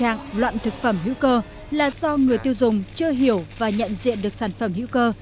dẫn đến tình trạng loạn thực phẩm hữu cơ là do người tiêu dùng chưa hiểu và nhận diện được sản phẩm hữu cơ